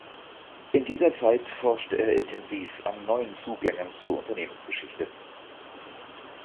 In dieser Zeit forschte er intensiv an neuen Zugängen zur Unternehmensgeschichte.